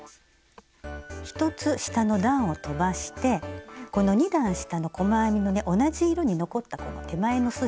１つ下の段をとばしてこの２段下の細編みのね同じ色に残ったこの手前のすじ。